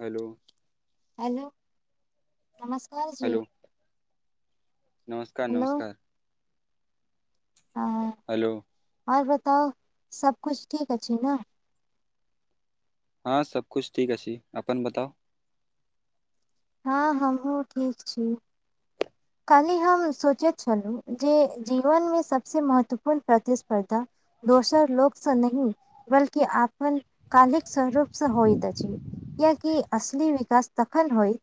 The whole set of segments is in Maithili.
हेलो। हेलो नमस्कार जी हेलो नमस्कार हेलो। नमस्कार ह हेलो। आओर बताउ सभ कुछ ठीक अछि ने? हँ सभ कुछु ठीक अछि अपन बताउ? ह हमहु ठीक छी। काल्हि हम सोचैत छलहुँ। जे जीवनमे सभसँ महत्वपूर्ण प्रतिस्पर्धा। दोसर लोकसँ नहि, बल्कि आ। कलिक संजोग से होइत अछि क्यकि। असली विकास तखन होई।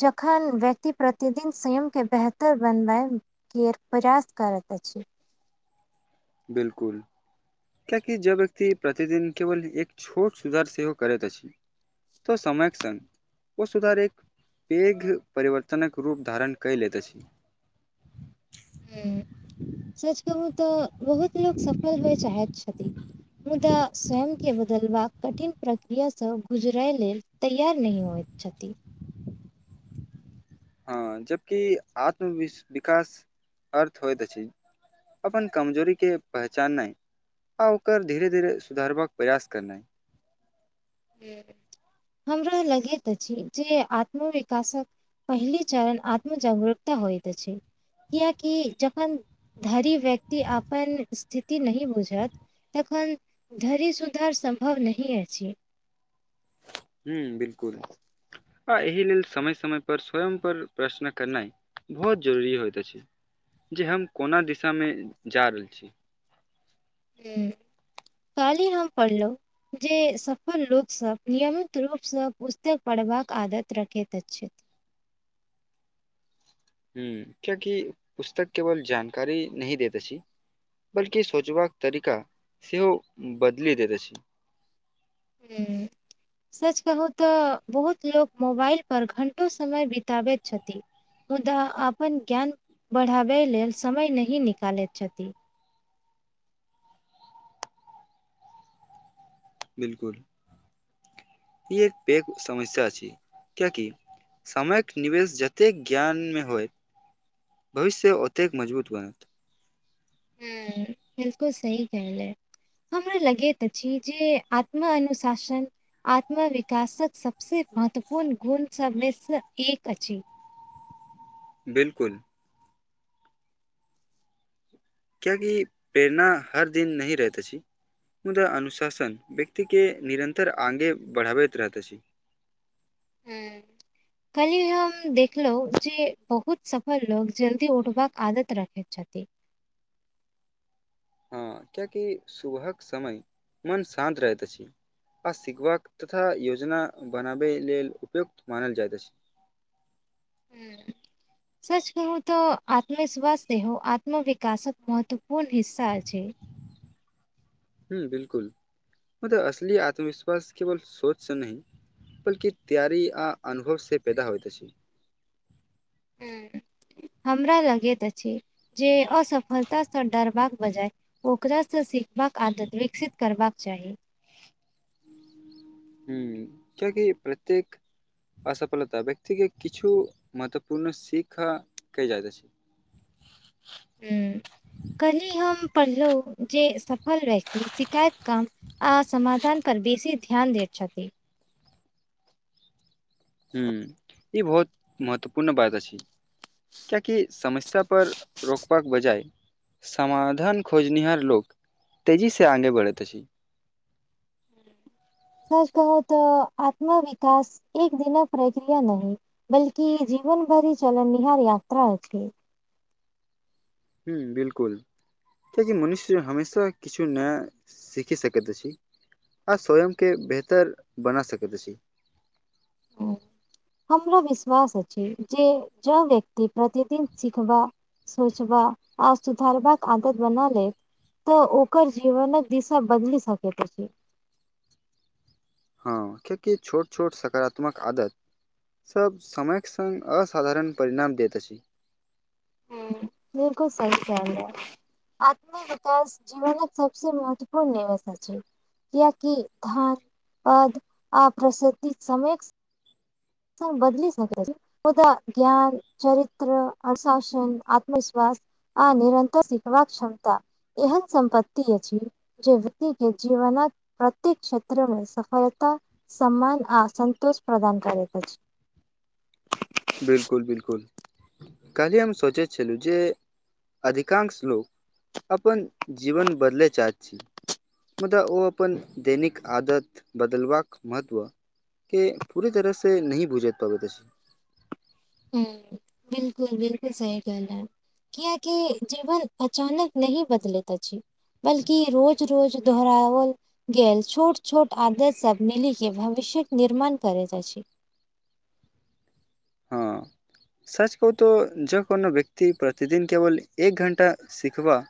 जखन व्यक्त प्रतिदिन। स्वयमके बेहतर बनबैके प्रयास करैत अछि। बिल्कूल। कियाकि जब व्यक्ति प्रतिदिन केवल एक छोट सुधार सेहो करैत अछि। तऽ समय कऽ संग ओ सुधार एक पैघ परिवर्तनक रूप धारण किया लैत अछि। सच कहूँ तऽ बहुत लोको सफल होए चाहैत छथिन। मुदा स्वयं के बदलबाक कठिन प्रक्रियासँ गुजरय लेल तैयार नहि होइ छथिन हँ जबकि आत्म विकास आर्थ होयइत छै अपन कमजोरी के पहचानाइ। आ ओकर धीरे धीरे सुधारबा कऽ प्रयास करनाइ। हमरा लगैत अछि जे आत्मविकास कऽ पहिल चरण आत्म जागृकता होइत अछि। कियाकि जखन धरी व्यक्ति अपन स्थिति नहिह बुझत तखन धरि सुधार सम्भव नहि अछि ह बिल्कूल आ एहि लेल समय समय पर स्वयं पर प्रश्न करनाय बहुत जरुरी होइत छै जे हम कोना दिशा मे जा रहल छी। ह काल्हि हम पढ़लौ जे सफल लोक सभ नियमित रूपसँ पुस्तक पढ़बाक आदत रखैत अछि। कियाकि पुस्तक केवल जानकारी नही देत अछि बल्कि सोचबा कऽ तरीका सेहो बदलि दैत अछि। हू। सच कहू तऽ बहुत लोक मोबाइल पर घण्टो समय बितबैत छथिन। मुदा अपन ज्ञान बढ़ाबै लेलऽ समय नहि निकालैत छथि। बिल्कूल ई एक पैघ समस्या अछि कएकि समयके निवेश जतेक ज्ञान मे होइ भविष्य ओते कऽ मजबूत बनत। हू बिल्कुल सही कहलिए। हमरा लगैत अछि जे आत्म अनुशासन। आत्मविकासक सभसे महत्वपूर्ण गुण सबमेसँ एक अछि। बिल्कूल कियाकि प्रेरणा हर दिन नही रहत अछि। मुदा अनुशासन व्यक्तिके निरन्तर आगे बढ़ाबैत रहैत अछि। हू काल्हि हम देखलहूँ जे बहुत सफल लोग जल्दी उठबाका आदत रखे छथि। हँ कियाकि सुबह कऽ समय मन शान्त रहैत अछि। आ सिखबाक तथा योजना बनाबे लेलऽ उपयुक्त मानल जाइत अछि। हू। सच कहू तऽ आत्मविश्वास सेहो आत्म विकासक महत्वपूर्ण हिस्सा अछि। ह बिल्कूल मतलब असली आत्मविश्वास केवल सोच से नहि बल्कि तैयारी आ अनुभव से पैदा होइत अछि हू हमरा लगैत अछि जे असफलतासँ डरबाक बजाय ओकरासँ सीखबा कऽ आदत विकसित करबाक चाही। हू ककि प्रत्येक असफलता व्यक्ति के किछु महत्वपूर्ण सीख के जाइत अछि। हू कली हम पढ़लहुँ जे सफल व्यक्ति शिकायत काम आ समाधान पर बेसी ध्यान देत छथि। हू ई बहुत महत्वपूर्ण बात अछि। कियाकि समस्या पर रो क बजाय समाधान खोजनिहार लोक तेजी से आगे बढ़ैत अछि। सच कहूँ तऽ आत्म विकास एक दिना के प्रक्रिया नहि। बल्कि जीवन भरि चलननिहार यात्रा अछि। हू बिल्कुल कियाकि मनुष्य हमेशा किछु नया सीखि सकैत अछि। आ स्वयं केँ बेहतर बना सकैत अछी [unintelligible] हमरा विश्वास अछि जे ज व्यक्ति प्रतिदिन सिखबा सोचबा आ सुधारबा कऽ आदत बना लेत तो ओकर जीवनक दिशा बदलि सकैत छै। हँ कियाकी छोट छोट सकारात्मक आदत सब समय कऽ संग असाधारण परिणाम दैत अछि। हु बिल्कुल सही कहलिय आत्मी विकास जीवन कऽ सबस महत्वपूर्ण निवेशा अछी कियाकी धान पद [unintelligible] [unintelligible] मुदा ज्ञान चरित्र अनुशासन आत्मविश्वास आ निरन्तर सिखबाक क्षमता एहन सम्पत्तति अछि। जे व्यक्ति केँ जीवन प्रत्येक क्षेत्रमे सफलता सम्मान आ सन्तोष प्रदान करैत अछी बिल्कुल बिल्कुल काल्हि हम सोचे छलू जे अधिकांश लोग [inaudible] अपन जीवन बदलै चाहै छी। मुदा ओ अपन दैनिक आदत बदलबाक महत्व केँ पूरी तरह से नही भुजैत पाबैत अछी हू बिल्कुल बिल्कुल सही कहले किया की जीवन अचानक नहि बदलैत अछि। बल्कि रोज रोज दोहराओल गेल छोट छोट आदत सब मिली केँ भविष्य केँ निर्माण करैत अछि हँ [inaudible] सच कहुँ तो जो कोनो व्यक्ति प्रतिदिन केवल एक घण्टा सिखबा-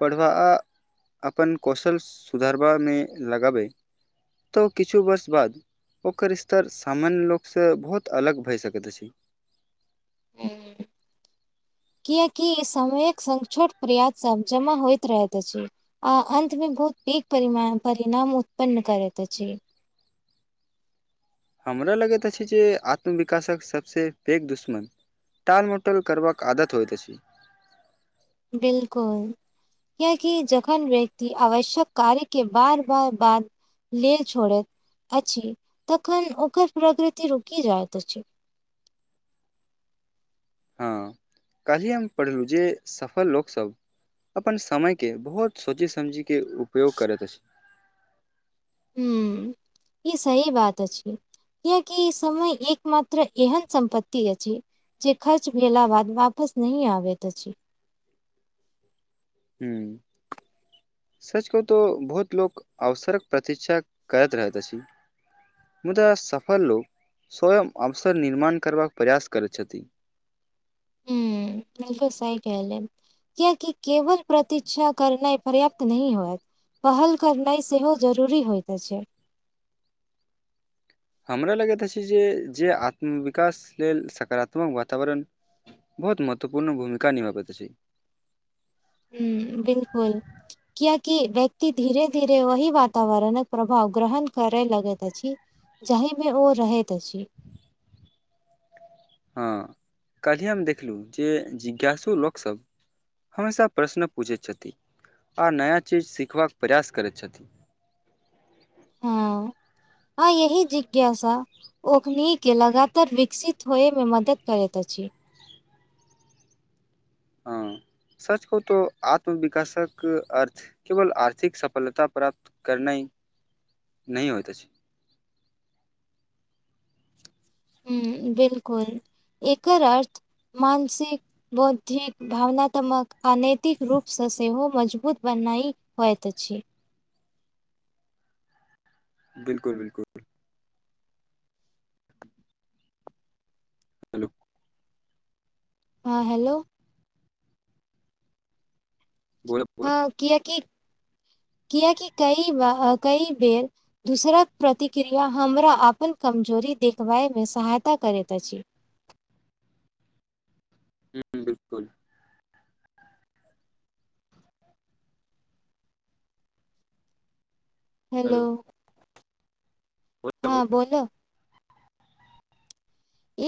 पढ़बा [inaudible] अपन कौशल सुधारबामे लगाबै तऽ किछु वर्ष बाद ओकर स्तर सामान्य लोकसँ बहुत अलग भए सकैत अछि [unintelligible] कियकि समय कऽ संग छोट प्रयास सब जमा होइत रहैत अछि। अ अन्त मे बहुत पैघ परिमाण परिणाम उत्पन्न करैत अछि हमरा लगैत अछि जे आत्मविकाासक सभ से पैघ दुश्मन टालमटोल करबाक आदत होइत अछि बिल्कुल कियाकी जखन व्यक्ति आवश्यक कार्य केँ बार बार बाद लेल छोड़ैत अछि तखन ओकर प्रकृति रुकि जाइत अछि। हँ काल्हि हम पढ़लौं जे सफल लोकसभ अपन समय केँ बहुत सोचे समझे के उपयोग करैत अछि। हु [inaudible] ई सही बात अछि। कियकि समय एक मात्र एहन सम्पत्ति अछि। जे खर्च भेला बाद वापस नहीं आबैत अछि हूँ सच कहूँ तो बहुत लोको अवसरक प्रतीक्षा करैत रहैत अछि। मुदा सफल लोक स्वयं अवसर निर्माण करबा कऽ प्रयास करै छथिन। हू बिल्कुल सही कहल कियाकि केवल प्रत्षा करनाइ पर्याप्त नह होयत। पहल करनाइ सेहो जरूरी होइत छै। हमरा लगैत अछि जे जे आत्म विकास लेलऽ सकारात्मक वातावरण बहुत महत्वपूर्ण भूमिका निभ पेत छै। ह बिल्कूल कियाकि व्यक्ति धीरे धीरे वहि वातावरणक प्रभाव ग्रहण करै लगैत अछि। जाहिमे ओ रहैत अछि। हँ कल्हि हम देखलहु जे जिज्ञासु लोक सभ हमेशा प्रश्न पूछैत छथि। आ नया चीज सिखबा कऽ प्रयास करैत छथि। ह आ यही जिज्ञासा ओकने लगातार विकसित होइमे मदद करैत अछि। ह सच कहू तऽ आत्मविकासक अर्थ केवल आर्थि कऽ सफलता प्राप्त करना नहि होइत छै। ह बिल्कूल एकर अर्थ मानसिक बौद्धिक भावनात्मकऽ अनैतिकऽ रूपसँ सेहो मजबूत बनाई होइत अछि। बिल्कूल बिल्कूल हेलो। ह हेलो। बोल बोल हँ कियाकि कएकि कई ब कई बेर दोसराक प्रतिक्रिया हमरा अपन कमजोरी देखबय मे सहायता करैत अछि। ह बिल्कूल हेलो बोल बोल। ह बोलऽ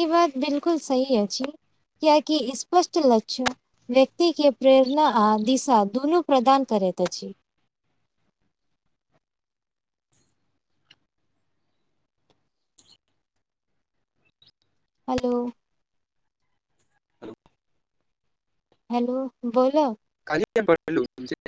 ई बात बिल्कूल सही अछि। कियाकि स्पष्ट ल्ष्य व्यक्ति प्रेरणा आ दिशा दुनू प्रदान करैत अछि। हेलो। हेलो। हेलो बोला कल पड़ू